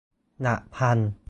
หลักพัน